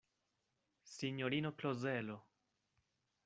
Sinjorino Klozelo!